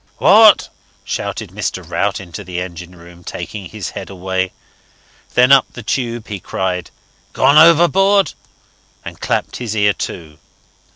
"What?" shouted Mr. Rout into the engine room, taking his head away. Then up the tube he cried, "Gone overboard?" and clapped his ear to.